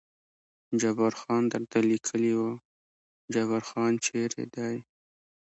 جبار خان درته لیکلي و، جبار خان چېرې دی؟